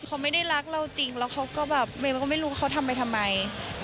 เขาไม่ได้รักเราจริงแล้วเขาก็แบบเมย์ก็ไม่รู้เขาทำไปทำไม